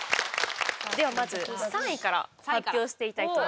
ではまず３位から発表していきたいと思います。